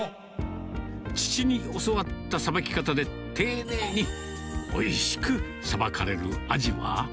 父に教わったさばき方で、丁寧においしくさばかれるアジは。